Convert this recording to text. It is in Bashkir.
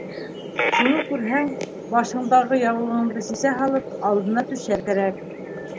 Шуны күрһәң, башыңдағы яулығыңды сисә һалып, алдына түшәр кәрәк.